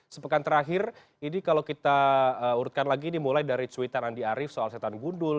sepekan terakhir ini kalau kita urutkan lagi ini mulai dari cuitan andi arief soal setan gundul